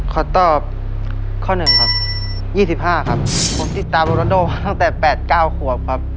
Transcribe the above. ขอตอบข้อหนึ่งครับยี่สิบห้าครับผมติดตามโลนันโดตั้งแต่แปดเก้าหัวครับครับ